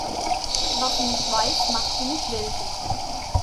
Was sie nicht weiß, macht sie nicht wild.